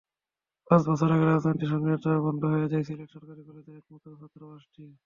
পাঁচ বছর আগে রাজনৈতিক সহিংসতায় বন্ধ হয়ে যায় সিলেট সরকারি কলেজের একমাত্র ছাত্রাবাসটি।